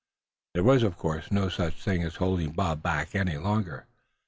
There was, of course, no such thing as holding Bob back any longer.